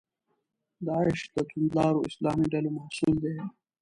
داعش د توندلارو اسلامي ډلو محصول دی.